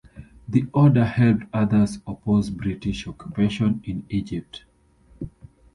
The order helped others oppose British occupation in Egypt.